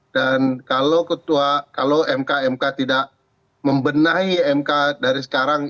dan kalau ketua kalau mk mk tidak membenahi mk dari sekarang